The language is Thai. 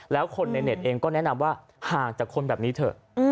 แล้วคนในเน็ตเองก็แนะนำว่าห่างจากคนแบบนี้เถอะ